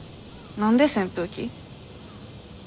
何で扇風機？